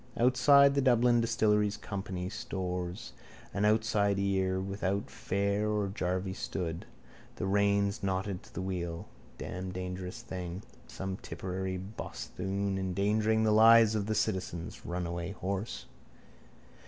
Outside the Dublin Distillers Company's stores an outside car without fare or jarvey stood, the reins knotted to the wheel. Damn dangerous thing. Some Tipperary bosthoon endangering the lives of the citizens. Runaway horse.